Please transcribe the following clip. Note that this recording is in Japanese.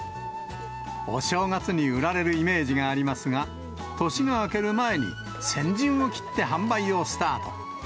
お正月に売られるイメージがありますが、年が明ける前に、先陣を切って販売をスタート。